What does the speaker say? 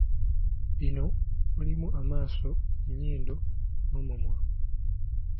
Bino mulimu amaaso, ennyindo n’omumwa.